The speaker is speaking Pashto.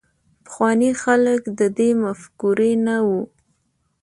پخواني خلک د دې مفکورې نه وو.